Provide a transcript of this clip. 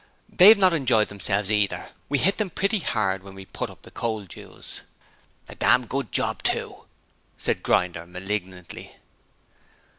They've not enjoyed themselves either: we hit them pretty hard when we put up the coal dues.' 'A damn good job too,' said Grinder malignantly.